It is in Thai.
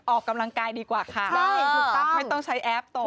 ออกกำลังกายดีกว่าค่ะไม่ต้องใช้แอปโต